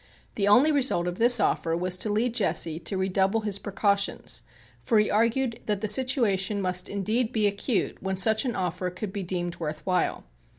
The only result of this offer was to lead Jesse to redouble his precautions, for he argued that the situation must indeed be acute when such an offer could be deemed worth while.